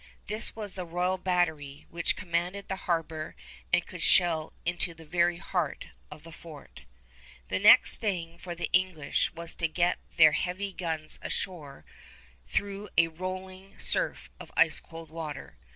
This was the Royal Battery, which commanded the harbor and could shell into the very heart of the fort. [Illustration: WILLIAM PEPPERRELL] The next thing for the English was to get their heavy guns ashore through a rolling surf of ice cold water.